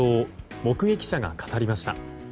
目撃者が語りました。